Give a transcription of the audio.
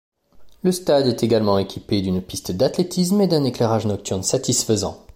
Le stade est également équipé d'une piste d'athlétisme et d'un éclairage nocturne satisfaisant.